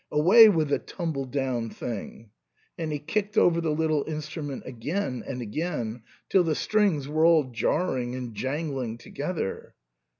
Away with the tumbledown thing !" and he kicked over the little instrument again and again, till the strings were all jarring and jangling together.